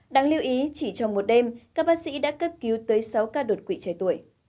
đáng lưu ý chỉ trong một đêm các bác sĩ đã cấp cứu tới sáu ca đột quỵ trẻ tuổi